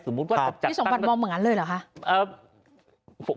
พี่สมบัติมองเหมือนกันเลยเหรอครับ